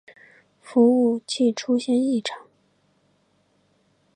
服务器出现异常